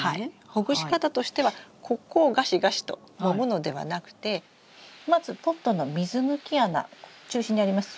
ほぐし方としてはここをガシガシともむのではなくてまずポットの水抜き穴中心にありますよね？